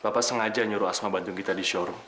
bapak sengaja nyuruh asma bantu kita di showroo